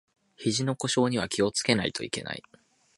ひじの故障には気をつけないといけない